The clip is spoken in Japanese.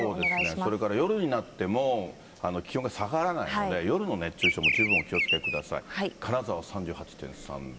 そうですね、それから夜になっても気温が下がらないので、夜の熱中症も十分お気をつけください。